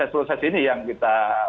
proses ini yang kita